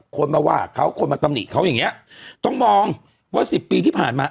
คนมาว่าเขาคนมาตำหนิเขาอย่างเงี้ยต้องมองว่าสิบปีที่ผ่านมา